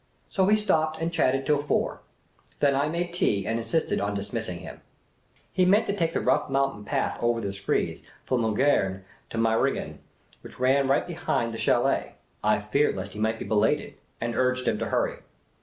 So he stopped and chatted till four ; when I made tea and insisted on dismissing him. He meant to take the rough mountain path over the screes from I/Ungern to Meiringen, which ran right behind the chdlet. I feared lest he might be belated, and urged him to hurry.